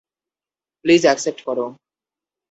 Please accept করো।